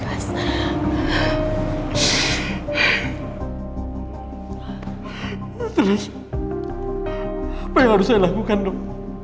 apa yang harus saya lakukan dok